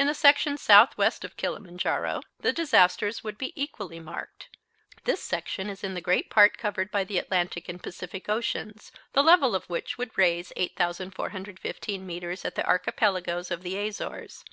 In the section southeast of Kilimanjaro the disasters would be equally marked. This section is in a great part covered by the Atlantic and Pacific oceans, the level of which would raise 8,415 metres at the Archipelagos of the Azores.